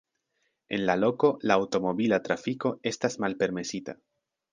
En la loko la aŭtomobila trafiko estas malpermesita.